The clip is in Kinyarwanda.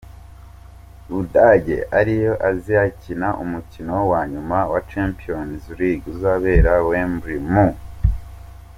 Budage ariyo azakina umukino wa nyuma wa Champions league uzabera Wembley mu.